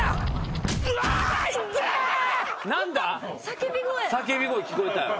叫び声聞こえたよ。